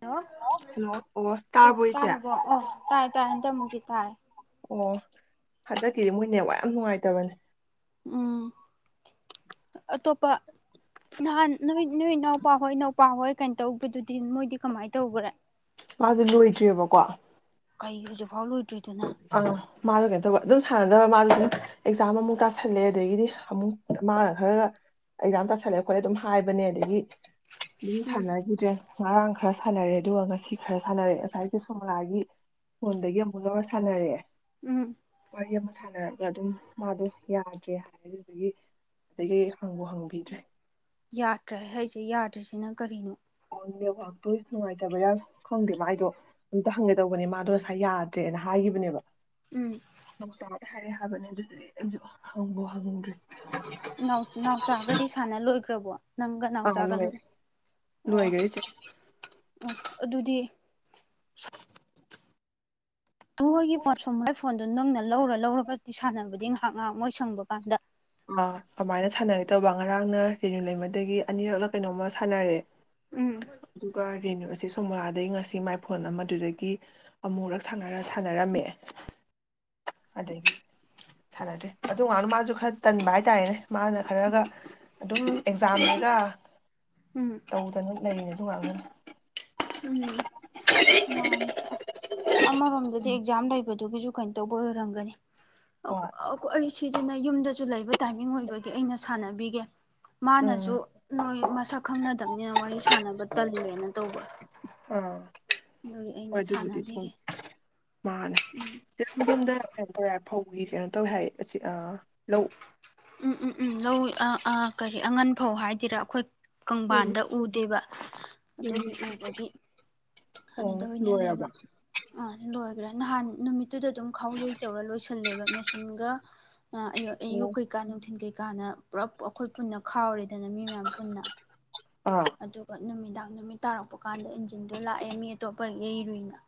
hello hello ꯑꯣ ꯇꯥꯔꯕꯣ ꯏꯆꯦ ꯇꯥꯔꯥꯕꯣ ꯑꯣ ꯇꯥꯏꯌꯦ ꯇꯥꯏꯌꯦ ꯍꯟꯇꯛ ꯃꯨꯛꯇꯤ ꯇꯥꯏ ꯑꯣ ꯍꯟꯗꯛꯀꯤꯗꯤ ꯃꯣꯏ ꯅꯦꯠꯋꯥꯛ ꯌꯥꯝ ꯅꯨꯡꯉꯥꯏ ꯇꯥꯕꯅꯦ ꯎꯝ ꯑꯇꯣꯞꯄ ꯅꯍꯥꯟ ꯅꯨꯃꯤꯠ ꯅꯣꯏ ꯏꯅꯥꯎꯄꯥ ꯍꯣꯏ ꯅꯩ ꯏꯄꯥꯎ ꯍꯣꯏ ꯀꯩꯅꯣ ꯇꯧꯕꯗꯨꯗꯤ ꯃꯣꯏꯗꯤ ꯀꯃꯥꯏ ꯇꯧꯒꯔꯦ ꯃꯥꯗꯨ ꯂꯣꯏꯗ꯭ꯔꯤ ꯑꯕꯀꯣ ꯀꯩ ꯍꯧꯖꯤꯛ ꯐꯥꯎ ꯂꯣꯏꯗ꯭ꯔꯤ ꯑꯥ ꯃꯥꯗꯣ ꯀꯩꯅꯣ ꯇꯧꯕ ꯑꯗꯨꯝ ꯁꯥꯟꯅ ꯗ ꯃꯥꯗ ꯑꯗꯨꯝ ꯑꯦꯛꯖꯥꯝ ꯑꯃꯨꯛ ꯇꯥꯁꯜꯂꯦ ꯑꯗꯒꯤꯗꯤ ꯑꯃꯨꯛ ꯃꯥꯅ ꯈꯔꯒ ꯑꯦꯛꯖꯥꯝ ꯇꯥꯁꯜꯂꯦ ꯑꯩꯈꯣꯏ ꯑꯗꯨꯝ ꯍꯥꯏꯕꯅꯦ ꯑꯗꯒꯤ ꯑꯗꯨꯝ ꯎꯝ ꯁꯥꯟꯅꯒꯤꯗ꯭ꯔꯦ ꯉꯥꯔꯥꯡ ꯈꯔ ꯁꯥꯟꯅꯔꯦ ꯑꯗꯨꯒ ꯉꯁꯤ ꯈꯔ ꯁꯥꯟꯅꯔꯦ ꯉꯁꯥꯏꯁꯨ ꯁꯣꯝꯣꯂꯥꯒꯤ ꯐꯣꯟꯗꯒꯤ ꯑꯃꯨꯛ ꯂꯧꯔ ꯁꯥꯟꯅꯔꯛꯑꯦ ꯎꯝ ꯋꯥꯔꯤ ꯑꯃ ꯁꯥꯟꯅꯔꯛꯑ ꯑꯗꯨꯝ ꯃꯥꯗꯣ ꯌꯥꯗ꯭ꯔꯦ ꯍꯥꯏꯌꯦ ꯑꯗꯒꯤ ꯍꯪꯕꯨ ꯍꯪꯒꯨꯒꯤꯗ꯭ꯔꯦ ꯌꯥꯗ꯭ꯔꯦ ꯍꯥꯏꯁꯦ ꯌꯥꯗ꯭ꯔꯤꯁꯤꯅ ꯀꯔꯤꯅꯣ ꯅꯦꯠꯋꯥꯛꯇꯨ ꯅꯨꯡꯉꯥꯏꯇꯕꯧꯔꯥ ꯈꯪꯗꯦ ꯃꯥꯏꯗꯣ ꯑꯝꯇ ꯍꯪꯒꯦ ꯇꯧꯕꯅꯦ ꯃꯥꯗꯣ ꯉꯁꯥꯏ ꯌꯥꯗ꯭ꯔꯦꯅ ꯍꯥꯏꯒꯤꯕꯅꯦꯕ ꯎꯝ ꯅꯧꯆꯥꯗ ꯍꯥꯏꯌꯣ ꯍꯥꯏꯕꯅꯤ ꯑꯗꯨꯗꯤꯒꯤ ꯑꯩꯕꯨ ꯍꯪꯕꯨ ꯍꯪꯗ꯭ꯔꯤ ꯅꯥꯎ ꯅꯥꯎꯆꯥꯒꯗꯤ ꯁꯥꯟꯅ ꯂꯣꯏꯒꯈ꯭ꯔꯕꯣ ꯅꯪꯒ ꯑꯥ ꯅꯥꯎꯆꯥꯒ ꯂꯣꯏꯔꯦ ꯑꯣ ꯂꯣꯏꯒꯔꯦ ꯏꯆꯦ ꯑꯣ ꯑꯗꯨꯗꯤ ꯇꯨ ꯑꯩꯒꯤ ꯄꯥꯠꯋꯣꯃꯂꯥꯢ ꯐꯣꯟ ꯑꯗꯨ ꯅꯪꯅ ꯂꯧꯔ ꯂꯧꯔꯒꯗꯤ ꯁꯥꯟꯅꯕꯗꯤ ꯉꯥꯏꯍꯥꯛ ꯉꯥꯏꯍꯥꯛ ꯃꯣꯏ ꯁꯪꯕ ꯀꯥꯟꯗ ꯑ ꯀꯃꯥꯏꯅ ꯁꯥꯟꯅꯒꯦ ꯇꯧꯕ ꯉꯔꯥꯡꯅ ꯔꯦꯅꯨ ꯂꯩꯃꯗꯒꯤ ꯑꯅꯤꯔꯛꯂ ꯀꯩꯅꯣꯝꯃ ꯁꯥꯟꯅꯔꯦ ꯎꯝ ꯑꯗꯨꯒ ꯔꯦꯅꯨ ꯑꯆꯤꯁ ꯎꯝꯥꯗꯒꯤ ꯉꯁꯤ ꯃꯥꯏ ꯐꯣꯟ ꯑꯃꯗꯨꯗꯒꯤ ꯑꯃꯨꯛꯔꯛ ꯁꯥꯟꯅꯔ ꯁꯥꯟꯅꯔꯝꯃꯦ ꯑꯗꯒꯤ ꯁꯥꯟꯅꯗ꯭ꯔꯦ ꯑꯗꯨ ꯑꯉꯥꯡꯗꯨ ꯃꯥꯁꯨ ꯈꯔ ꯇꯟꯕ ꯍꯥꯏ ꯇꯥꯔꯦꯅꯦ ꯃꯥꯅ ꯈꯔꯒ ꯑꯗꯨꯝ ꯑꯦꯛꯖꯥꯝꯅꯤꯅ ꯎꯝ ꯇꯧꯗꯅ ꯂꯩꯔꯦ ꯑꯗꯨ [unintelligible] ꯎꯝ ꯃꯥꯅꯦ ꯑꯃꯔꯣꯝꯗꯗꯤ ꯑꯦꯛꯖꯥꯝ ꯂꯩ ꯗꯨꯒꯤꯁꯨ ꯀꯩꯅꯣ ꯇꯧꯕ ꯑꯣꯏꯔꯝꯒꯅꯤ ꯑꯛ ꯍꯣꯏ ꯑꯈꯣ ꯑꯩ ꯁꯤꯁꯤꯅ ꯌꯨꯝꯗꯁꯨ ꯂꯩꯕ ꯇꯥꯏꯃꯤꯡ ꯑꯣꯏꯔꯒꯗꯤ ꯑꯩꯅ ꯁꯥꯟꯅꯕꯤꯒꯦ ꯎꯝ ꯃꯥꯅꯁꯨ ꯅꯣꯏ ꯃꯁꯛ ꯈꯪꯅꯗꯕꯅꯤꯅ ꯋꯥꯔꯤ ꯁꯥꯟꯅꯕ ꯇꯜꯂꯦꯅ ꯇꯧꯕ ꯑꯥ ꯑꯗꯨꯒꯤ ꯑꯩꯅ ꯑꯗꯨꯗꯤ ꯎꯝ ꯁꯥꯟꯅꯕꯤꯒꯦ ꯃꯥꯅꯦ [unintelligible] ꯐꯧꯒꯤ ꯀꯩꯅꯣ ꯇꯧꯋꯤ ꯍꯥꯏꯌꯦ ꯑꯁꯤꯗ ꯂꯧ ꯎꯝ ꯎꯝ ꯎꯝ ꯂꯧꯏ ꯑ ꯑ ꯀꯔꯤ ꯑꯉꯟ ꯐꯧ ꯍꯥꯏꯗꯣꯏꯔꯥ ꯑꯩꯈꯣꯏ ꯎꯝ ꯀꯪꯕꯥꯟꯗ ꯎꯗꯦꯕ ꯎꯝ ꯑꯗꯨꯒꯤ ꯎꯕꯒꯤ ꯑꯗꯨꯗ ꯑꯣ ꯑꯣꯏꯅ ꯂꯩꯕ ꯂꯣꯏꯔꯕ ꯑ ꯂꯣꯏ ꯔ ꯅꯍꯥꯟ ꯅꯨꯃꯤꯠꯇꯨꯗ ꯑꯗꯨꯝ ꯈꯥꯎ ꯌꯩ ꯇꯧꯔ ꯂꯣꯏꯁꯤꯜꯂꯦꯕ ꯃꯦꯆꯤꯟꯒ ꯑ ꯑꯌꯣ ꯑꯣ ꯑꯌꯨꯛ ꯅꯨꯡꯊꯤꯜ ꯀꯩꯀꯥꯅ ꯄꯨꯂꯞ ꯑꯩꯈꯣꯏ ꯄꯨꯟꯅ ꯈꯥꯎꯔꯤꯦꯗꯅ ꯃꯤ ꯃꯌꯥꯝ ꯄꯨꯟꯅ ꯑꯥ ꯑꯗꯨꯒ ꯅꯨꯃꯤꯗꯥꯡ ꯅꯨꯃꯤꯠ ꯇꯥꯔꯛꯄ ꯀꯥꯟꯗ ꯏꯟꯖꯤꯟꯗꯣ ꯂꯥꯛꯑꯦ ꯃꯤ ꯑꯇꯣꯞꯄꯒꯤ ꯃꯤꯅ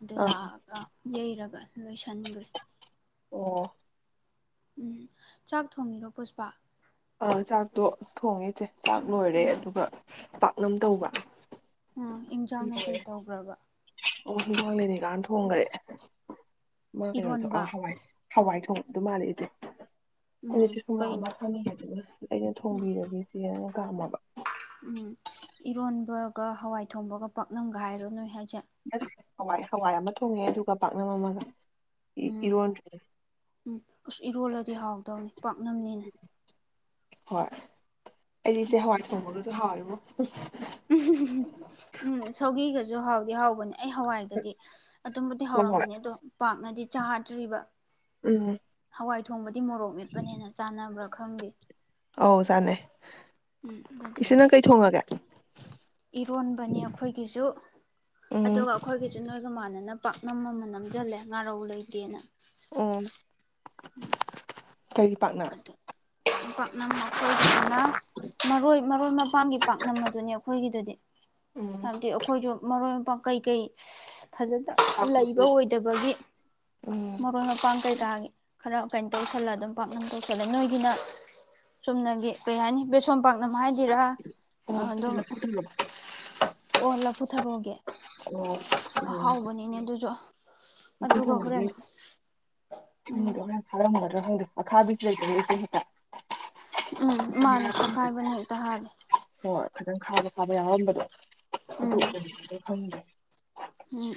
ꯑꯗꯨ ꯑꯥ ꯂꯥꯛꯑꯒ ꯌꯩꯔꯒ ꯂꯣꯏꯁꯟꯈꯒ꯭ꯔꯦ ꯑꯣ ꯎꯝ ꯆꯥꯛ ꯊꯣꯡꯉꯤꯔꯣ ꯄꯨꯁꯄꯥ ꯑ ꯆꯥꯛꯇꯣ ꯊꯣꯡꯉꯦ ꯏꯆꯦ ꯆꯥꯛ ꯂꯣꯏꯔꯦ ꯎꯝ ꯑꯗꯨꯒ ꯄꯥꯛꯅꯝ ꯇꯧꯕ ꯎꯝ ꯏꯟꯖꯥꯡꯅ ꯀꯩ ꯂꯣꯏꯔꯦ ꯇꯧꯒ꯭ꯔꯕ ꯑꯣ ꯍꯦꯟꯖꯥꯡꯡ ꯂꯤꯅꯤꯀꯥꯅ ꯊꯣꯡꯒ꯭ꯔꯦ ꯃꯥ ꯀꯩꯅꯣꯗ ꯑ ꯏꯔꯣꯟꯕ ꯍꯋꯥꯏ ꯍꯋꯥꯏ ꯊꯣꯡꯗꯨ ꯃꯥꯜꯂꯦ ꯏꯆꯦ ꯎꯝ ꯑꯩꯅꯁꯨ ꯁꯨꯝ ꯅꯍꯥꯟ ꯀꯩꯅꯣ ꯋꯥꯢ ꯈꯪꯗꯤꯉꯩꯗꯅꯦ ꯑ ꯩꯅ ꯎꯝ ꯊꯣꯡꯕꯤꯔꯒꯦ ꯏꯆꯦ ꯅꯥ ꯀꯥꯝꯃꯣꯕ ꯒ ꯍꯋꯥꯏ ꯊꯣꯡꯕꯒ ꯄꯥꯛꯅꯝꯒ ꯍꯥꯏꯔꯣ ꯅꯣꯏ ꯍꯥꯏ [unintelligible] ꯍꯋꯥꯏ ꯍꯋꯥꯏ ꯑꯃ ꯊꯣꯡꯉꯦ ꯑꯗꯨꯒ ꯄꯥꯛꯅꯝ ꯑꯃꯒ ꯎꯝ ꯏꯔꯣꯟꯗ꯭ꯔꯦ ꯎꯝ ꯑꯁ ꯏꯔꯣꯜꯂꯗꯤ ꯍꯥꯎꯗꯧꯅꯤ ꯄꯥꯛꯅꯝꯅꯤꯅ ꯍꯣꯏ ꯑꯩꯁꯦ ꯎꯝ ꯍꯋꯥꯏ ꯊꯣꯡꯕꯒꯁꯨ ꯍꯥꯎꯋꯦꯕꯣ ꯍꯝ ꯎꯝ ꯁꯧꯒꯤꯒꯁꯨ ꯍꯥꯎꯗꯤ ꯍꯥꯎꯕꯅꯦ ꯑꯩ ꯍꯋꯥꯏꯒꯗꯤ ꯑꯗꯨꯝꯕꯨꯗꯤ ꯍꯣꯏ ꯍꯣꯏ ꯍꯧꯔꯝꯒꯅꯤ ꯑꯗꯣ ꯄꯥꯝ ꯅꯗꯤ ꯆꯥꯗ꯭ꯔꯤꯕ ꯎꯝ ꯍꯥꯋꯏ ꯊꯣꯡꯕ ꯇꯤ ꯃꯣꯔꯣꯛ ꯃꯦꯠꯄꯅꯤꯅ ꯆꯥꯟꯅꯕ꯭ꯔꯥ ꯈꯪꯗꯦ ꯑꯧ ꯆꯥꯅꯩ ꯏꯆꯦ ꯅꯪ ꯀꯩ ꯊꯣꯡꯉꯒꯦ ꯏꯔꯣꯟꯕꯅꯤ ꯑꯩꯈꯣꯏꯒꯤꯁꯨ ꯎꯝ ꯑꯗꯨꯒ ꯑꯩꯈꯣꯏꯒꯤꯁꯨ ꯅꯣꯏꯒ ꯃꯥꯟꯅꯅꯕ ꯅꯝꯃ ꯅꯝꯖꯜꯂꯦ ꯉꯥꯔꯧ ꯂꯩ ꯇꯦꯟꯅ ꯎꯝ ꯎꯝ ꯀꯔꯤ ꯄꯥꯛꯅ ꯄꯥꯛꯅꯝ ꯑꯩꯈꯣꯏꯒꯤꯅ ꯃꯔꯣꯏ ꯃꯔꯣꯏ ꯃꯄꯥꯟꯒꯤ ꯄꯥꯛꯅꯝ ꯑꯗꯨꯅꯤ ꯑꯩꯈꯣꯏꯒꯤꯗꯨꯗꯤ ꯎꯝ ꯍꯥꯏꯕꯗꯤ ꯑꯩꯈꯣꯏꯗꯨ ꯃꯔꯣꯏ ꯄꯥꯛ ꯀꯩ ꯀꯩ ꯐꯖꯅ ꯄꯥꯛꯄꯤꯗꯤ ꯂꯩꯕ ꯑꯣꯏꯗꯕꯒꯤ ꯎꯝ ꯃꯔꯣꯏ ꯃꯄꯥꯡ ꯀꯩꯀꯥꯒꯤ ꯈꯔ ꯀꯩꯅꯣ ꯇꯧꯁꯜꯂꯒ ꯑꯗꯨꯝ ꯄꯥꯛꯅꯝ ꯇꯧꯁꯜꯂꯦ ꯅꯣꯏꯒꯤꯅ ꯆꯨꯝꯅꯒꯤ ꯀꯩ ꯍꯥꯏꯅꯤ ꯕꯦꯁꯣꯟ ꯄꯥꯛꯅꯝ ꯍꯥꯏꯗꯣꯏꯔꯥ ꯑꯣ ꯑꯗꯨꯗꯤ ꯑꯗꯨꯝ ꯂꯐꯨ ꯊꯣꯡꯉꯕ ꯑꯣ ꯂꯐꯨ ꯊꯔꯣ ꯑꯣ ꯎꯝ ꯑꯍꯥꯎꯕꯅꯤꯅꯦ ꯑꯗꯨꯁꯨ [unintelligible] ꯑꯗꯨꯒ ꯍꯣꯔꯦꯟ ꯎꯝ ꯈꯪꯗꯦ ꯑꯈꯥꯕꯤꯁꯨ ꯂꯩꯗꯅ ꯏꯆꯦ ꯍꯦꯛꯇ ꯎꯝ ꯃꯥꯟꯂꯦ ꯁꯈꯥꯏꯕꯅ ꯍꯦꯛꯇ ꯍꯥꯜꯂꯦ ꯐꯖꯟꯅ ꯈꯥꯕ ꯈꯥꯕ ꯌꯥꯎꯔꯝꯕꯗꯣ ꯑꯗꯨ ꯎꯝ ꯁꯤꯗꯗꯤ ꯐꯪꯗꯦ ꯎꯝ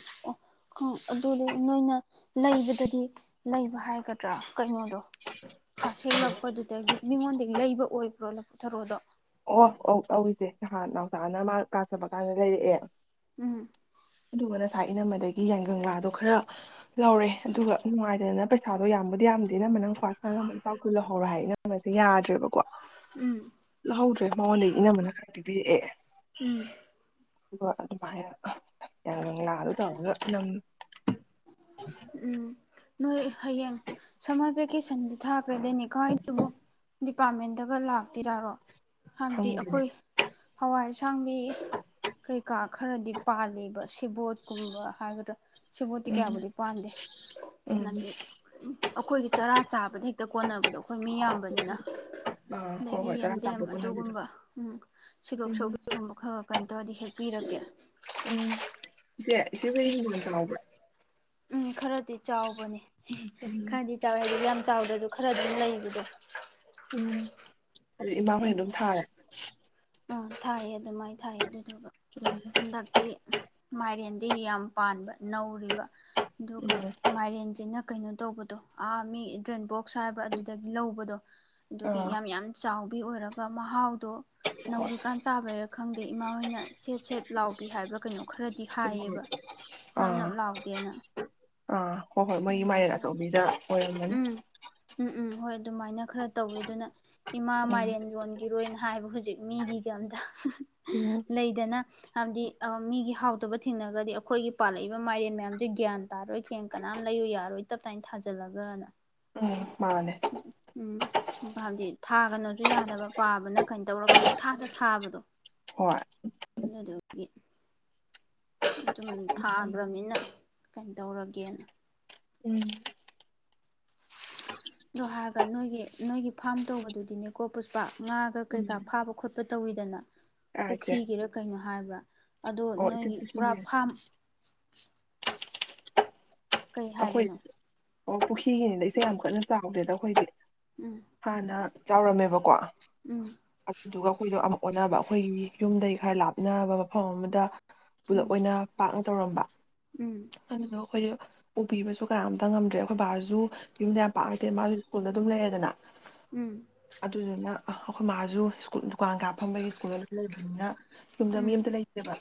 ꯑꯣ ꯑꯗꯨꯗꯤ ꯅꯣꯏꯅ ꯂꯩꯕꯗꯗꯤ ꯂꯩꯕ ꯍꯥꯏꯒꯗ꯭ꯔꯥ ꯀꯩꯅꯣꯗꯣ ꯀꯩꯊꯦꯜꯂꯛꯄꯗꯨꯗꯒꯤ ꯃꯤꯉꯣꯟꯗꯒꯤ ꯂꯩꯕ ꯑꯣꯏꯕ꯭ꯔꯣ ꯊꯥꯔꯣꯗꯥ ꯑꯣ ꯑꯣ ꯑꯩ ꯏꯁꯦ ꯅꯍꯥꯟ ꯅꯥꯎꯆꯥꯥꯅ ꯃꯥ ꯀꯥꯂ꯭ꯁ ꯆꯠꯄ ꯀꯥꯟꯗ ꯂꯩꯔꯛꯑꯦ ꯎꯝ ꯑꯗꯨꯒ ꯉꯁꯥꯏ ꯏꯅꯝꯃꯗꯒꯤ ꯌꯥꯏꯉꯪ ꯂꯥꯗꯣ ꯈꯔ ꯂꯧꯔꯦ ꯑꯗꯨꯒ ꯅꯨꯡꯉꯥꯏꯇꯗꯗꯅ ꯄꯩꯁꯥꯗꯣ ꯌꯥꯝꯕꯨꯗꯤ ꯌꯥꯝꯗꯦꯅ ꯏꯅꯃꯝꯃ ꯅꯪ ꯀꯋꯥꯆꯅꯕ ꯂꯨꯄ ꯀꯨꯟ ꯂꯧꯍꯧꯔꯣ ꯍꯥꯏꯔꯦ ꯏꯅꯝꯃꯅꯁꯨ ꯌꯗ꯭ꯔꯦꯕꯀꯣ ꯎꯝ ꯂꯍꯧꯗ꯭ꯔꯦ ꯃꯉꯣꯟꯗꯒꯤ ꯏꯅꯝꯃꯅ ꯄꯤꯕꯤꯔꯛꯑꯦ ꯎꯝ ꯑꯗꯨꯒ ꯑꯗꯨꯃꯥꯏ ꯌꯥꯏꯉꯪ ꯂꯥꯗꯣ ꯇꯧꯔꯒ ꯅꯝ ꯎꯝ ꯅꯣꯏ ꯍꯩꯌꯦꯡ ꯁꯝꯍꯥꯠꯄꯒꯤ ꯑꯩꯗꯤ ꯁꯟꯗꯦꯗ ꯊꯥꯒꯔꯗꯧꯅꯤ ꯀꯥꯏꯗꯕꯨ ꯗꯤꯄꯥ꯭ꯔꯠꯃꯦꯟꯇꯒ ꯂꯥꯛꯇ꯭ꯔꯤ ꯖꯠꯔꯣ ꯍꯥꯟꯗꯤ ꯈꯪꯗꯦꯅꯦ ꯑꯩꯈꯣꯏ ꯋꯥꯏ ꯑꯁꯥꯡꯕꯤ ꯀꯩꯀꯥ ꯈꯔꯗꯤ ꯄꯥꯜꯂꯤꯕꯁꯤ [unintelligible] ꯎꯝ ꯇꯤꯀꯌꯥꯕꯨꯗ ꯄꯥꯟꯗꯦ ꯎꯝ ꯂꯝꯗꯤ ꯑꯩꯈꯣꯏꯒꯤ ꯆꯔꯥ ꯆꯥꯕꯗꯤ ꯍꯦꯛꯇ ꯀꯣꯟꯅꯕꯗꯣ ꯑꯩꯈꯣꯏ ꯃꯤ ꯌꯥꯝꯕꯅꯤꯅ ꯑꯥ ꯍꯣꯏ ꯑꯗꯒꯤ ꯍꯣꯏ ꯆꯔꯥ ꯌꯦꯟꯗꯦꯝ ꯇꯥꯟꯕ ꯈꯣꯠꯅꯕꯤꯗꯣ ꯑꯗꯨꯒꯨꯝꯕ ꯎꯝ ꯁꯤꯜꯂꯣꯛ ꯎꯝ ꯁꯧꯒ꯭ꯔꯤꯒꯨꯝꯕ ꯈꯔ ꯈ ꯀꯩꯅꯣ ꯑꯗꯨꯗꯤ ꯍꯦꯛꯄꯤꯔꯛꯒꯦ ꯎꯝ ꯏꯆꯦ ꯏꯆꯦꯍꯣꯢꯒꯤ ꯍꯤꯡꯒꯣꯟ ꯆꯥꯎꯕ꯭ꯔꯥ ꯎꯝ ꯈꯔꯗꯤ ꯆꯥꯎꯕꯅꯦ ꯎꯝ ꯈꯔꯗꯤ ꯆꯥꯎꯋꯦ ꯍꯑꯗꯨꯛꯌꯥꯝ ꯆꯥꯎꯗ꯭ꯔꯁꯨ ꯈꯔ ꯑꯗꯨꯝ ꯂꯩꯕꯗꯣ ꯎꯝ ꯑꯗꯨꯗꯤ ꯏꯃꯥꯍꯣꯏꯅ ꯑꯗꯨꯝ ꯊꯥꯔꯦ ꯎ ꯊꯥꯏꯌꯦ ꯑ ꯑꯗꯨꯃꯥꯏꯅ ꯊꯥꯏ ꯑꯗꯨꯗꯨꯒ ꯎꯝ ꯍꯟꯗꯛꯇꯤ ꯃꯥꯏꯔꯦꯟ ꯗꯤ ꯌꯥꯝ ꯄꯥꯟꯕ ꯅꯧꯔꯤꯕ ꯑꯗꯨꯒ ꯎꯝ ꯃꯥꯏꯔꯦꯟꯖꯤꯅ ꯀꯩꯅꯣ ꯇꯧꯕꯗꯣ ꯑꯥ ꯃꯤ ꯗ꯭ꯔꯦꯟ ꯕꯣꯛꯁ ꯍꯥꯏꯕ꯭ꯔꯥ ꯑꯗꯨꯗꯒꯤ ꯂꯧꯕꯗꯣ ꯑꯗꯨꯒꯤ ꯑꯥ ꯌꯥꯝ ꯌꯥꯝ ꯆꯥꯎ ꯗꯤ ꯑꯣꯏꯔꯒ ꯃꯍꯥꯎꯗꯣ ꯍꯣꯏ ꯅꯧꯔꯤꯀꯥꯟꯆꯥꯕꯩꯔ ꯈꯪꯗꯦ ꯏꯃꯥ ꯍꯣꯏꯅ ꯁꯦꯠ ꯁꯦꯠ ꯂꯥꯎꯕꯤ ꯍꯥꯏꯕ꯭ꯔ ꯀꯩꯅꯣ ꯈꯔ ꯗꯤ ꯍꯣꯏ ꯍꯥꯏꯌꯦꯕ ꯅꯞ ꯑꯥ ꯅꯞ ꯂꯥꯎꯗꯦꯅ ꯑꯥ ꯍꯣꯏ ꯍꯣꯏ ꯃꯣꯏꯒꯤ ꯑꯗꯨꯃꯥꯏꯅ ꯃꯥꯏꯔꯦꯟ ꯇꯧꯋꯤ ꯑꯆꯧꯕꯤꯗ ꯑꯣꯢꯔꯝꯃꯅꯤ ꯎꯝ ꯎꯝ ꯎꯝ ꯍꯣꯏ ꯑꯗꯨꯃꯥꯏꯅ ꯈꯔ ꯇꯧꯏ ꯑꯗꯨꯅ ꯏꯃꯥ ꯎꯝ ꯃꯥꯢꯔꯦꯟ ꯌꯣꯟꯒꯤꯔꯣꯏꯅ ꯍꯥꯏꯕꯨ ꯍꯧꯖꯤꯛ ꯃꯤꯒꯤꯒꯝꯗ ꯍꯨꯝ ꯎꯝ ꯍꯨꯝ ꯂꯩꯗꯅ ꯍꯥꯏꯕꯗꯤ ꯃꯤꯒꯤ ꯍꯥꯎꯇꯕ ꯊꯦꯡꯅꯒꯗꯤ ꯑꯩꯈꯣꯏꯒꯤ ꯄꯥꯜꯂꯛꯏꯕ ꯃꯥꯏꯔꯦꯟ ꯃꯌꯥꯝꯁꯦ ꯒ꯭ꯌꯥꯟ ꯇꯥꯔꯣꯏ ꯈꯦꯡ ꯀꯅꯥꯝ ꯂꯩꯌꯨ ꯌꯥꯔꯣꯏ ꯇꯞ ꯇꯥꯏꯅ ꯊꯥꯖꯜꯂꯒ ꯒꯥꯅ ꯃꯥꯅꯦ ꯎꯝ ꯕꯗꯤ ꯊꯥꯒꯅꯣꯁꯨ ꯌꯥꯗꯕ ꯄꯥꯕꯅ ꯀꯩꯅꯣ ꯇꯧꯔꯒ ꯄꯨꯡ ꯊꯥꯥꯗ ꯊꯥꯕꯗꯣ ꯍꯣꯏ ꯑꯗꯨꯒꯤ ꯑꯗꯨꯝ ꯃꯥꯅꯦ ꯊꯥꯒ꯭ꯔꯃꯤꯅ ꯀꯩꯅꯣ ꯇꯧꯔꯒꯦꯅ ꯎꯝ ꯑꯗꯨ ꯍꯥꯏꯥꯔꯒ ꯅꯣꯏꯒꯤ ꯅꯣꯏꯒꯤ ꯐꯥꯔꯝ ꯇꯧꯕꯗꯨꯗꯤꯅꯦꯀꯣ ꯄꯨꯁꯄꯥ ꯉꯥꯒ ꯎꯝ ꯀꯩꯀꯥ ꯐꯥꯕ ꯈꯣꯠꯄ ꯇꯧꯋꯤꯗꯅ ꯑꯥ ꯏꯆꯦ ꯄꯨꯈꯤꯒꯤꯔ ꯀꯩꯅꯣ ꯍꯥꯏꯕ ꯑꯗꯣ ꯑꯣ ꯏꯆꯦ ꯅꯣꯏꯒꯤ ꯄꯨꯔꯥ ꯑꯩꯈꯣꯏ ꯐꯥꯝ [unintelligible] ꯀꯩ ꯍꯥꯏꯕꯅꯣ ꯑꯣ ꯄꯨꯈ꯭ꯔꯤꯒꯤ ꯌꯥꯝ ꯀꯟꯅ ꯆꯥꯎꯗꯦꯗ ꯑꯩꯈꯣꯏꯗꯤ ꯎꯝ ꯐꯅ ꯆꯥꯎꯔꯝꯃꯦꯕꯀꯣ ꯎꯝ ꯑꯗꯨꯗꯨꯒ ꯑꯩꯈꯣꯏꯗꯣ ꯑꯃꯨꯛ ꯑꯣꯅꯕ ꯑꯈꯣꯏ ꯌꯨꯝꯗꯩꯩ ꯈꯔꯥ ꯂꯥꯞꯅꯕ ꯃꯥꯐꯝ ꯑꯃꯗ ꯄꯨꯂꯞ ꯑꯣꯏꯅ ꯄꯥꯛꯅ ꯇꯧꯔꯝꯕ ꯎꯝ [unintelligible] ꯄꯨꯄꯤꯕꯁꯨ ꯀꯅꯥꯝꯇ ꯉꯝꯗ꯭ꯔꯦ ꯑꯩꯈꯣꯏ ꯕꯥꯖꯨ ꯌꯨꯝꯗ ꯌꯥꯝ ꯄꯥꯛꯅ ꯂꯩꯇꯦ ꯃꯥꯁꯨ ꯁ꯭ꯀꯨꯜꯗ ꯑꯗꯨꯝ ꯂꯩꯔꯦꯗꯅ ꯎꯝ ꯑ ꯑꯩꯈꯣꯏ ꯃꯥꯁꯨ ꯁ꯭ꯀꯨꯜ ꯀꯥꯋꯥꯡ ꯀꯥ ꯐꯝꯕꯒꯤ ꯁ꯭ꯀꯨꯜꯗ ꯂꯣꯏꯟ ꯂꯩꯕꯅꯤꯅ ꯌꯨꯝꯗ ꯃꯤ ꯎꯝ ꯑꯝꯇ ꯂꯩꯇꯦꯕ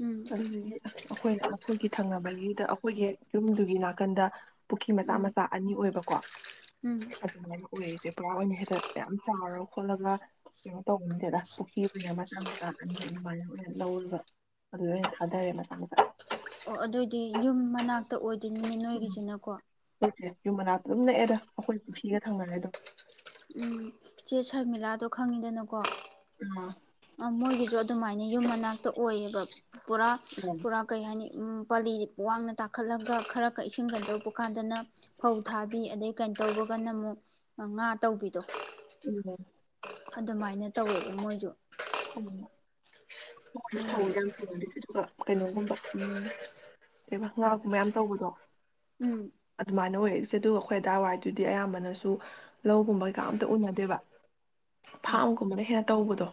ꯎꯝ ꯎꯝ ꯑꯗꯨꯗꯨꯒꯤ ꯑꯩꯈꯣꯏ ꯑꯩꯈꯣꯏꯒꯤ ꯊꯪꯅꯕꯒꯤꯗ ꯍꯨꯏꯌꯦ ꯌꯨꯝꯗꯨꯒꯤ ꯅꯥꯀꯟꯗ ꯄꯨꯈ꯭ꯔꯤ ꯃꯆꯥ ꯎꯝ ꯃꯆꯥ ꯑꯅꯤ ꯑꯣꯏꯕꯀꯣ ꯎꯝ ꯑꯗꯨꯃꯥꯏꯅ ꯑꯣꯏꯔꯤꯁꯦ ꯄꯨꯔꯥ ꯑꯣꯏꯅ ꯍꯦꯛ ꯇ ꯑꯗꯨꯗ ꯌꯥꯝ ꯆꯥꯎꯔꯒ ꯈꯣꯠꯂꯒ ꯀꯩꯅꯣ ꯇꯧꯕꯝ ꯅꯠꯇꯦꯗ ꯄꯨꯈ꯭ꯔꯤ ꯑꯣꯏꯅ ꯃꯆꯥ ꯃꯆꯥ ꯑꯅꯤ ꯑꯗꯨꯃꯥꯏꯅ ꯑꯣꯏꯅ ꯂꯧꯔꯒ ꯑꯗꯨꯗ ꯑꯣꯏꯅ ꯊꯥꯗꯔꯦ ꯃꯆꯥ ꯃꯆꯥ ꯑꯣ ꯑꯗꯨꯑꯣꯏꯗꯤ ꯌꯨꯝ ꯃꯅꯥꯛꯇ ꯑꯣꯏ ꯇꯤꯟ ꯅꯤ ꯅꯣꯏꯒꯤꯁꯤꯅ ꯀꯣ ꯁꯦ ꯌꯨꯝ ꯃꯅꯥꯛꯇ ꯑꯗꯨꯝ ꯅꯛꯑꯦꯗ ꯑꯩꯈꯣꯏ ꯄꯨꯈꯤꯒ ꯊꯪꯅꯔꯦ ꯑꯗꯨꯝ ꯎꯝ ꯆꯦ ꯁꯔꯃꯤꯂꯥꯗꯣ ꯈꯪꯉꯤꯗꯅꯀꯣ ꯑꯥ ꯑ ꯃꯣꯏꯒꯤꯗꯣ ꯑꯗꯨꯃꯥꯏꯅ ꯌꯨꯝ ꯃꯅꯥꯛꯇ ꯑꯣꯏꯌꯦꯕ ꯄꯨꯔꯥ ꯄꯨꯔꯥ ꯀꯩ ꯍꯥꯏꯅꯤ ꯎ ꯄꯥꯂꯤ ꯋꯥꯡꯅ ꯇꯥꯈꯠꯂꯒ ꯈꯔ ꯈꯔ ꯏꯁꯤꯡ ꯀꯩꯅꯣ ꯇꯧꯕ ꯀꯥꯟꯗꯅ ꯐꯧ ꯊꯥꯕꯤ ꯑꯗꯩ ꯀꯩꯅꯣ ꯇꯧꯕꯒꯅ ꯑꯃꯨꯛ ꯉꯥ ꯇꯧꯕꯤꯗꯣ [unintelligible] ꯑꯗꯨꯃꯥꯏꯅ ꯇꯧꯋꯦꯕ ꯃꯣꯏꯁꯨ ꯎꯝ ꯎꯝ [unintelligible] ꯀꯩꯅꯣꯒꯨꯝꯕ ꯎꯟ ꯀꯩꯑꯕꯥ ꯉꯥꯒꯨꯝꯕ ꯌꯥꯝ ꯇꯧꯕꯗꯣ ꯎꯝ ꯑꯗꯨꯃꯥꯏ ꯑꯣꯏꯔꯤꯁꯦ ꯑꯗꯨꯒꯥ ꯑꯈꯣꯏ ꯑꯗꯥꯏꯋꯥꯏ ꯗꯨꯗꯤ ꯑꯌꯥꯝꯕꯅꯥꯁꯨ ꯂꯧ ꯒꯨꯝꯕ ꯀꯩꯀꯥ ꯑꯝꯇ ꯎꯅꯥꯗꯦꯕꯥ ꯐꯥꯝ ꯑꯦ ꯒꯨꯝꯕꯥꯟ ꯍꯦꯟꯅꯥ ꯇꯧꯕꯥꯗꯣ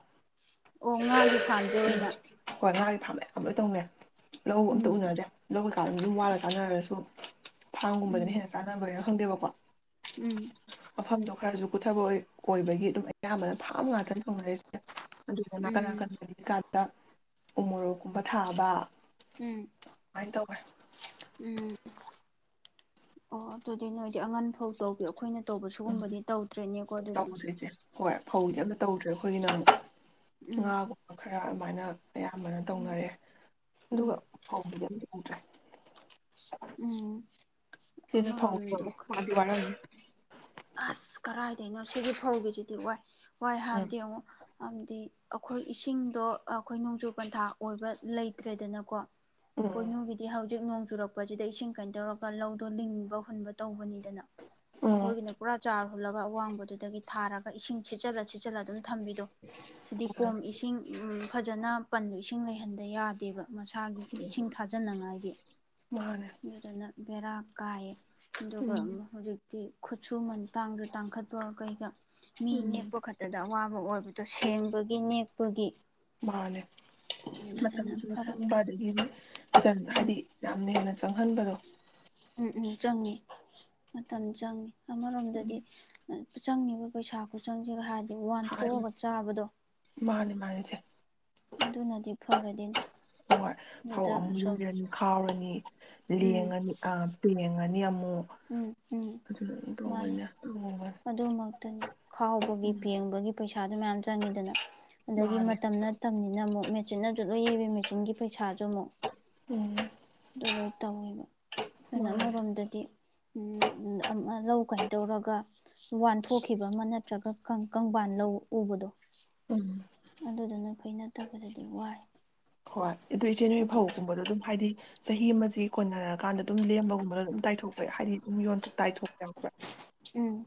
ꯑꯗꯨ ꯊꯥꯟ [unintelligible] ꯎꯝ ꯍꯣꯏ ꯉꯥꯒꯤ ꯐꯥꯝꯟ ꯃꯌꯥꯝ ꯂꯣꯏ ꯇꯧꯅ ꯂꯧ ꯑꯝꯇ ꯎꯝ ꯎꯅꯗꯦ ꯂꯧ ꯀꯩꯀꯥ ꯑꯗꯨꯝ ꯑꯗꯨꯝ ꯋꯥꯟꯂꯒ ꯆꯥꯟꯅꯔꯁꯨ ꯐꯥꯝꯒꯨꯝꯕꯗꯅ ꯎꯝ ꯍꯦꯟꯅ ꯆꯥꯅꯕꯩꯏꯔ ꯈꯪꯗꯦꯕꯀꯣ ꯎꯝ ꯃꯐꯝꯗꯣ ꯈꯔꯁꯨ ꯀꯨꯊꯕ ꯑꯣꯏꯕꯒꯤ ꯑꯗꯨꯝ ꯑꯌꯥꯝꯕꯅ ꯐꯥꯝ ꯉꯥꯛꯇꯅꯤ ꯇꯧꯅꯔꯤꯁꯦ ꯑꯗꯨꯗꯨꯅ ꯅꯥꯀꯟ ꯎꯝ ꯅꯥꯀꯟꯀꯗ ꯎ ꯃꯣꯔꯣꯛꯀꯨꯝꯕ ꯊꯥꯕ ꯎꯝ ꯀꯃꯥꯏꯅ ꯇꯧꯋꯦ ꯎꯝ ꯑꯣ ꯑꯗꯨꯗꯤ ꯅꯣꯏꯗꯤ ꯑꯉꯟ ꯐꯧ ꯇꯧꯕꯤ ꯑꯩꯈꯣꯏꯅ ꯇꯧꯕ ꯎꯝ ꯁꯤꯒꯨꯝꯕꯗꯤ ꯇꯧꯗ꯭ꯔꯦꯅꯦꯀꯣ ꯑꯗꯨꯗꯤ ꯇꯧꯗ꯭ꯔꯤꯁꯦ ꯍꯣꯏ ꯐꯧꯗꯤ ꯎꯝ ꯑꯝꯇ ꯇꯧꯗ꯭ꯔꯦ ꯑꯩꯈꯣꯏꯒꯤꯅꯥꯅ ꯑꯃꯨꯛ ꯎꯝ ꯉꯥꯒꯨꯝꯕ ꯈꯔ ꯃꯥꯏꯅ ꯑꯌꯥꯝꯕꯅ ꯎꯝ ꯇꯧꯅꯔꯑꯦ ꯎꯝ ꯑꯗꯨꯒ ꯐꯥꯎꯒꯤꯗꯤ ꯑꯝꯇ ꯎꯗ꯭ꯔꯦ ꯎꯝ ꯁꯤꯅ ꯑꯃꯔꯣꯝꯗ ꯐꯧꯁꯨꯕ ꯋꯥꯗꯤ ꯋꯥꯔꯝꯅꯤ ꯑꯁ ꯀꯗꯥꯥꯏꯗꯩꯅꯣ ꯁꯤꯒꯤ ꯐꯧꯒꯤꯁꯤꯗꯤ ꯋꯥꯏ ꯋꯥꯏ ꯎꯝ ꯍꯥꯏꯕꯗꯤ ꯑꯃꯨꯛ ꯑꯃꯗꯤ ꯑꯩꯈꯣꯏ ꯏꯁꯤꯡꯗꯣ ꯑꯩꯈꯣꯏ ꯅꯣꯡꯖꯨ ꯄꯟꯊꯥ ꯑꯣꯏꯕ ꯂꯩꯇ꯭ꯔꯦꯗꯅꯀꯣ ꯎꯝ ꯄꯣꯏꯅꯣꯒꯤꯗꯤ ꯍꯧꯖꯤꯛ ꯇꯤꯛ ꯅꯣꯡ ꯆꯨꯔꯛꯄꯁꯤꯗ ꯏꯁꯤꯡ ꯀꯩꯅ ꯇꯧꯔꯒ ꯂꯧꯗꯣ ꯂꯤꯡꯕ ꯍꯨꯟꯕ ꯇꯧꯕꯅꯤ ꯎꯝ ꯑꯩꯈꯣꯏꯒꯤꯅ ꯆꯥꯔ ꯍꯨꯜꯂꯒ ꯑꯋꯥꯡꯕꯗꯨꯗꯒꯤ ꯊꯥꯔꯒ ꯏꯁꯤꯡ ꯁꯤꯠꯆꯂ ꯁꯤꯠꯆꯜꯂ ꯑꯗꯨꯝ ꯊꯝꯕꯤꯗꯣ ꯁꯤꯗꯤ ꯎꯝ ꯎꯝ ꯀꯣꯝ ꯏꯁꯤꯡ ꯎꯝ ꯐꯖꯅ ꯄꯟ ꯏꯁꯤꯡ ꯂꯩꯍꯟꯗꯦ ꯌꯥꯗꯦꯕ ꯃꯁꯥꯒꯤ ꯏꯁꯤꯡ ꯊꯥꯖꯅꯉꯥꯏꯒꯤ ꯃꯥꯅꯦ ꯑꯗꯨꯗꯅ ꯕꯦꯔꯥ ꯀꯥꯏꯌꯦ ꯑꯗꯨꯒ ꯎꯝ ꯍꯧꯖꯤꯛ ꯈꯨꯠ ꯁꯨꯃꯟ ꯇꯥꯡꯗ ꯇꯥꯡꯈꯠꯄ ꯀꯩꯒ ꯃꯤ ꯎꯝ ꯅꯦꯛꯄ ꯈꯛꯇꯗ ꯑꯋꯥꯕ ꯑꯣꯏꯕꯗꯣ ꯁꯦꯡꯕꯒꯤ ꯅꯦꯛ [unintelligible] ꯃꯥꯟꯅꯦ ꯃꯇꯝꯁꯨ ꯐꯔꯛ ꯇꯥꯏ ꯁꯪꯕꯗꯒꯤꯗꯤ ꯎꯝ ꯍꯥꯏꯗꯤ ꯌꯥꯝꯅ ꯍꯦꯟꯅ ꯆꯪꯍꯟꯕꯗꯣ ꯆꯪꯏꯤ ꯃꯇꯝ ꯆꯪꯏ ꯎꯝ ꯑꯃꯔꯣꯝꯗꯗꯤ ꯆꯪꯉꯤꯕ ꯄꯩꯁꯥ ꯈꯨꯆꯪ ꯁꯤꯒ ꯍꯥꯏꯗꯤ ꯍꯥꯏꯕ ꯋꯥꯟꯊꯣꯛꯑꯒ ꯆꯥꯕꯗꯣ ꯃꯥꯅꯦ ꯃꯥꯅꯦ ꯏꯆꯦ ꯑꯗꯨꯅꯗꯤ ꯐꯔꯗꯤꯅꯦ ꯍꯣꯏ ꯐꯧ ꯑꯃꯨꯛ ꯌꯨꯡꯑꯅꯤ ꯈꯥꯎꯔꯅꯤ ꯎꯝ ꯂꯦꯉꯑꯅꯤ ꯑ ꯄꯤ [unintelligible] ꯎꯝ ꯎꯝ ꯃꯥꯅꯦ ꯇꯧꯕꯅꯦ ꯇꯧꯕꯅꯦ ꯑꯗꯨꯃꯛ ꯑꯗꯨꯅꯤ ꯈꯥꯎꯕꯒꯤ ꯎꯝ ꯄꯦꯡꯕꯒꯤ ꯄꯩꯁꯥ ꯄꯩꯁꯥꯗꯨ ꯃꯌꯥꯝ ꯆꯪꯉꯤꯗꯅ ꯑꯗꯒꯤ ꯃꯥꯅꯦ ꯃꯇꯝ ꯅꯠ꯭ꯇꯝꯅꯤꯅ ꯑꯃꯨꯛ ꯃꯦꯆꯤꯟꯅꯖꯨ ꯂꯣꯏꯕꯩ ꯃꯦꯆꯤꯟꯒꯤ ꯄꯩꯁꯥ [unintelligible] ꯎꯝ ꯗꯨ ꯂꯣꯏꯇꯧꯅꯤꯕ ꯀꯩꯅ ꯃꯥꯅꯦ ꯑꯃꯔꯣꯝꯗꯗꯤ ꯎꯝ ꯑꯝ ꯂꯧ ꯀꯩꯅꯣ ꯇꯧꯔꯒ ꯋꯥꯟꯊꯣꯛꯈꯤꯕ ꯑꯃ ꯅꯠꯇ꯭ꯔꯒ ꯀꯪ ꯀꯪꯕꯥꯟ ꯂꯧ ꯎꯕꯗꯣ ꯎꯝ ꯑꯗꯨꯗꯨꯅ ꯐꯩ ꯅꯠ ꯐꯠꯇꯕꯗꯗꯤ ꯋꯥꯏ ꯍꯣꯏ ꯑꯗꯨ ꯏꯆꯦ ꯅꯣꯏ ꯑꯗꯨ ꯐꯧ ꯒꯨꯝꯕꯗꯣ ꯑꯗꯨꯝ ꯍꯥꯏꯗꯤ ꯆꯍꯤ ꯑꯃꯁꯤ ꯀꯣꯟꯅꯔꯀꯥꯟꯗ ꯑꯗꯨꯝ ꯂꯦꯝꯕꯒꯨꯝꯕꯗ ꯑꯗꯨꯝ ꯇꯥꯏꯊꯣꯛꯄ ꯌꯥ ꯍꯥꯏꯗꯤ ꯑꯗꯨꯝ ꯌꯣꯟ ꯇꯥꯏꯊꯣꯛꯄ ꯈꯣꯏ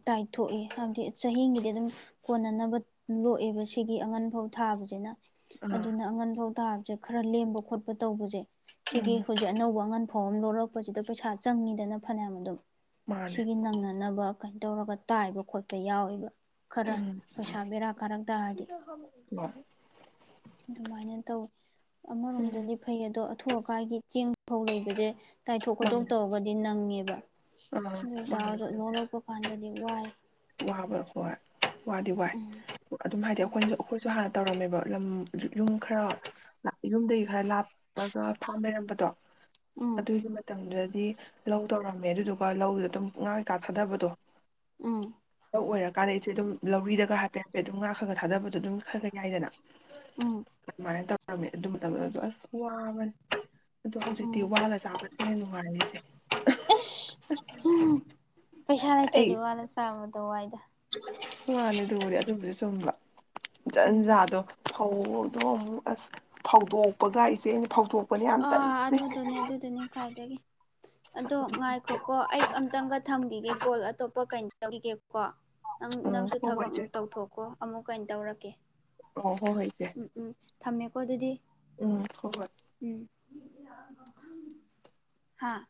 ꯇꯥꯏꯊꯣꯛꯏ ꯍꯥꯏꯕꯗꯤ ꯆꯍꯤꯒꯤꯗꯤ ꯑꯗꯨꯝ ꯀꯣꯟꯅꯅꯕ ꯂꯣꯛꯑꯦꯕ ꯁꯤꯒꯤ ꯑꯉꯟ ꯐꯥꯎ ꯊꯥꯕꯁꯤꯅ ꯑꯥ ꯑꯗꯨꯅ ꯑꯉꯟ ꯐꯥꯎ ꯊꯥ ꯈꯔ ꯂꯦꯝꯕ ꯈꯣꯠꯄ ꯇꯧꯕꯁꯦ ꯁꯤꯗꯤ ꯎꯝ ꯍꯧꯖꯤꯛ ꯑꯅꯧꯕ ꯑꯉꯟ ꯐꯥꯎ ꯑꯃ ꯂꯧꯔꯛꯄꯁꯤꯗ ꯄꯩꯁꯥ ꯆꯪꯉꯤꯗꯅ ꯐꯅꯌꯥꯝ ꯑꯗꯨꯝ ꯃꯥꯅꯦ ꯁꯤꯒꯤ ꯅꯪꯅꯅꯕ ꯀꯩ ꯇꯧꯔꯒ ꯇꯥꯏꯕ ꯈꯣꯠꯄ ꯌꯥꯎꯋꯦꯕ ꯈꯔ ꯎꯝ ꯄꯩꯁꯥ ꯕꯦꯔꯥ ꯀꯔꯝ ꯇꯥꯔꯗꯤ ꯍꯣꯏ [unintelligible] ꯑꯗꯨꯃꯥꯏꯅ ꯇꯧꯏ ꯎꯝ ꯑꯃꯔꯣꯝꯗꯗꯤ ꯐꯩ ꯑꯗꯣ ꯑꯊꯨ ꯑꯀꯥꯏꯒꯤ ꯆꯦꯡ ꯐꯧ ꯂꯩꯕꯁꯦ ꯇꯥꯏꯊꯣꯛ ꯈꯣꯠꯇꯣꯛ ꯃꯥꯅꯦ ꯇꯧꯔꯒꯗꯤ ꯅꯪꯉꯦꯕ ꯑꯥ ꯑꯗꯨ ꯃꯥꯅꯦ ꯑꯣꯏꯇꯥꯔꯁꯨ ꯂꯣꯛ ꯂꯣꯛꯄ ꯃꯄꯥꯟꯗꯗꯤ ꯋꯥꯏ ꯍꯥꯕꯔ ꯍꯣꯏ ꯋꯥꯗꯤ ꯋꯥꯏ ꯎꯝ ꯑꯗꯨꯝ ꯍꯥꯏꯗꯤ ꯎꯝ ꯑꯩꯈꯣꯏ ꯑꯩꯈꯣꯏꯁꯨ ꯍꯥꯟꯅ ꯇꯧꯔꯝꯃꯦꯕ ꯂꯝ ꯌꯨꯝ ꯈꯔ ꯌꯨꯝꯗꯒꯤ ꯈꯔ ꯂꯥꯞꯄꯒ ꯐꯧꯅꯔꯝꯕꯗꯣ ꯎꯝ ꯑꯗꯨꯏꯁꯨ ꯃꯇꯝ ꯗꯨꯗꯩ ꯂꯧ ꯇꯧꯔꯝꯃꯦ ꯑꯗꯨꯗꯨꯒ ꯂꯧꯗꯨꯗ ꯑꯗꯨꯝ ꯉꯥ ꯀꯩꯀꯥ ꯊꯥꯗꯕꯗꯣ ꯎꯝ ꯂꯧ ꯑꯣꯏꯔꯀꯥꯟꯗ ꯏꯆꯦ ꯑꯗꯨꯝ ꯂꯧꯔꯤꯗꯒ ꯍꯥꯏꯐꯦ ꯍꯥꯏꯐꯦꯠ ꯑꯗꯨꯝ ꯉꯥ ꯈꯔ ꯈꯔꯒ ꯊꯥꯗꯕꯗꯣ ꯑꯗꯨꯝ ꯈꯔ ꯈ ꯌꯥꯏꯗꯅ ꯎꯝ ꯑꯗꯨꯃꯥꯏꯅ ꯇꯧꯔꯝꯃꯦ ꯑꯗꯨ ꯃꯇꯝꯗꯨꯗꯁꯨ ꯑꯁ ꯋꯥꯕꯅꯦ ꯑꯗꯣ ꯍꯧꯖꯤꯛꯇꯤ ꯎꯝ ꯋꯥꯠꯂꯒ ꯆꯥꯕꯁꯤꯁ ꯍꯦꯟꯅ ꯅꯨꯡꯉꯥꯏꯔꯤꯁꯦ ꯏꯁ ꯄꯩꯁꯥ ꯂꯩꯇꯗꯤ ꯋꯥꯏ ꯆꯥꯝꯕꯅꯤ ꯇꯋꯥꯏꯗ ꯃꯥꯅꯤ ꯑꯗꯨꯔ ꯑꯗꯨꯕꯨꯗꯤ ꯆꯨꯝꯕ ꯎꯝ ꯖꯟꯖꯥꯗꯣ ꯐꯧꯗꯣ ꯑꯃꯨꯛ ꯐꯧꯗꯣ ꯄ ꯑꯗꯨꯋꯥꯏ ꯑꯩꯅ ꯐꯧꯗꯣꯛꯄꯅꯦ ꯌꯥꯟꯅ ꯑꯥ ꯑꯗꯨꯗꯨꯅꯦ ꯑꯗꯨꯗꯨꯅꯦ ꯈ꯭ꯋꯥꯏꯗꯒꯤ ꯑꯗꯣ ꯉꯥꯏꯈꯣ ꯀꯣ ꯑꯩ ꯑꯝꯇꯪꯒ ꯊꯝꯈꯤꯒꯦ ꯀꯣꯜ ꯑꯇꯣꯞꯄ ꯀꯩꯅꯣ [unintelligible] ꯅꯪ ꯎꯝ ꯅꯪꯁꯨ ꯍꯣ ꯍꯣꯏ ꯊꯕꯛ ꯏꯆꯦ ꯎꯝ ꯇꯧꯊꯣꯛꯀꯣ ꯑꯃꯨꯛ ꯀꯩ ꯇꯧꯔꯛꯀꯦ ꯑꯣ ꯍꯣ ꯍꯣꯏ ꯏꯆꯦ ꯎꯝ ꯎꯝ ꯊꯝꯃꯦꯀꯣ ꯑꯗꯨꯗꯤ ꯎꯝ ꯍꯣ ꯍꯣꯏ ꯎꯝ ꯍꯥꯥ